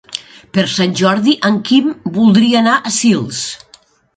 Per Sant Jordi en Quim voldria anar a Sils.